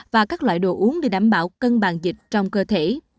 và các loại đồ uống để đảm bảo cân bàn dịch trong cơ thể